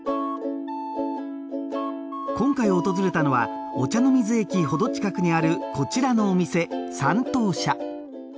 今回訪れたのは御茶ノ水駅ほど近くにあるこちらのお店三